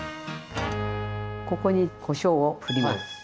ここにこしょうをふります。